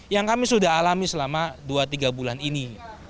yang kami sudah alami selama dua tiga bulan ini